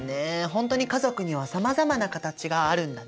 ほんとに家族にはさまざまなカタチがあるんだね。